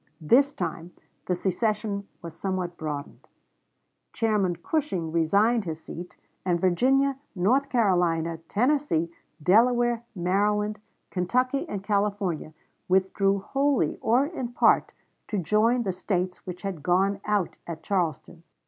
This time the secession was somewhat broadened; Chairman Cushing resigned his seat, and Virginia, North Carolina, Tennessee, Delaware, Maryland, Kentucky, and California withdrew wholly or in part to join the States which had gone out at Charleston.